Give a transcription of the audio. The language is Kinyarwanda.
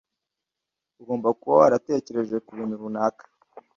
Ugomba kuba waratekereje kubintu runaka.